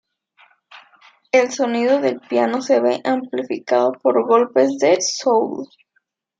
El sonido del piano se ve amplificado por golpes de "soul".